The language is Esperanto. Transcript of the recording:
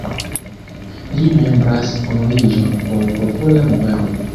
Li membras Unuiĝon por Popola Movado.